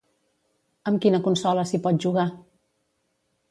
Amb quina consola s'hi pot jugar?